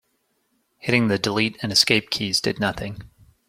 Hitting the delete and escape keys did nothing.